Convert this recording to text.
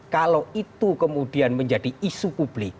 kalau itu kemudian menjadi isu publik